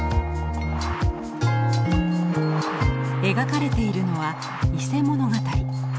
描かれているのは「伊勢物語」。